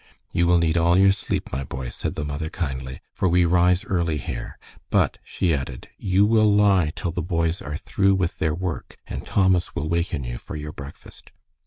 "You will need all your sleep, my boy," said the mother, kindly, "for we rise early here. But," she added, "you will lie till the boys are through with their work, and Thomas will waken you for your breakfast."